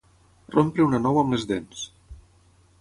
Rompre una nou amb les dents.